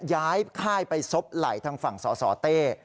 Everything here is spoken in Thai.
ค่ายไปซบไหล่ทางฝั่งสสเต้